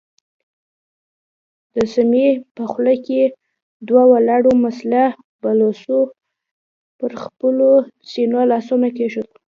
د سمڅې په خوله کې دوو ولاړو مسلح بلوڅو پر خپلو سينو لاسونه کېښودل.